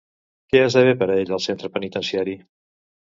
Què esdevé, per a ell, el centre penitenciari?